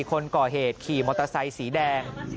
คนก่อเหตุขี่มอเตอร์ไซค์สีแดง